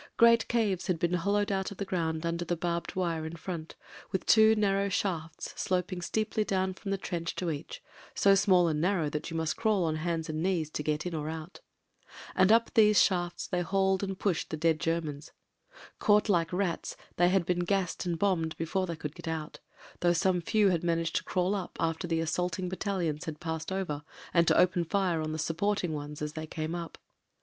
Great caves had been hollowed out of the ground under the barbed wire in front, with two narrow shafts sloping steeply down from the trench to each, so small and narrow that you must crawl on hands and knees to get in or out. And up these shafts they hauled and pushed the dead Ger mans. Caught like rats, they had been gassed and bombed before they could get out, though some few had managed to crawl up after the assaulting bat talions had passed over and to open fire on the sup porting ones as they came up.